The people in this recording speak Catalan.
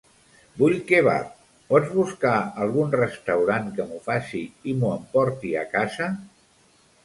Vull kebab; pots buscar algun restaurant que m'ho faci i m'ho emporti a casa?